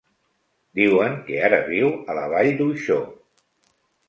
Diuen que ara viu a la Vall d'Uixó.